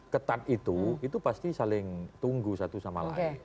ketat itu itu pasti saling tunggu satu sama lain